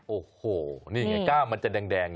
โอ้โหนี่ไงกล้ามมันจะแดงอย่างนั้น